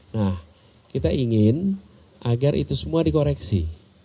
nah kita ingin agar itu semua dikoreksi